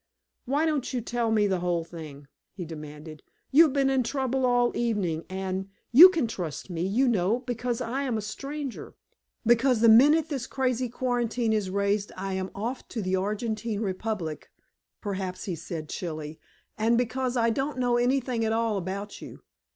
"Why don't you tell me the whole thing?" he demanded. "You've been in trouble all evening, and you can trust me, you know, because I am a stranger; because the minute this crazy quarantine is raised I am off to the Argentine Republic," (perhaps he said Chili) "and because I don't know anything at all about you.